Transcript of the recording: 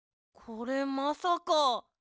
これまさか。